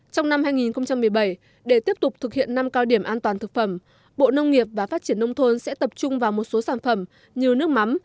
trong năm hai nghìn một mươi bảy để tiếp tục thực hiện năm cao điểm an toàn thực phẩm bộ nông nghiệp và phát triển nông thôn sẽ tập trung vào một số sản phẩm như nước mắm